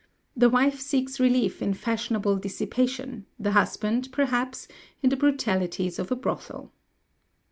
The wife seeks relief in fashionable dissipation; the husband, perhaps, in the brutalities of a brothel.